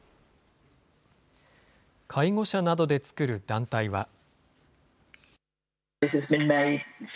介護者などで作る団体は。